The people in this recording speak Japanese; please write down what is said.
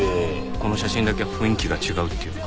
この写真だけ雰囲気が違うっていうか。